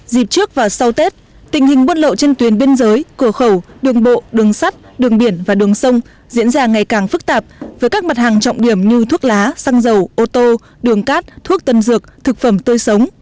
dịp trước và sau tết tình hình buôn lậu trên tuyến biên giới cửa khẩu đường bộ đường sắt đường biển và đường sông diễn ra ngày càng phức tạp với các mặt hàng trọng điểm như thuốc lá xăng dầu ô tô đường cát thuốc tân dược thực phẩm tươi sống